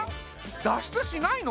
脱出しないの？